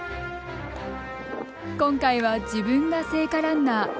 今回は自分が聖火ランナー。